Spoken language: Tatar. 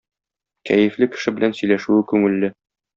Кәефле кеше белән сөйләшүе күңелле.